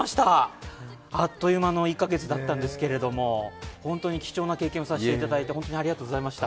あっという間の１か月だったんですけど、本当に貴重な経験をさせていただいてありがとうございました。